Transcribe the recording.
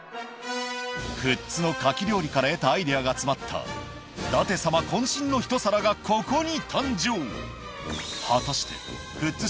富津の牡蠣料理から得たアイデアが詰まった舘様こん身の一皿がここに誕生！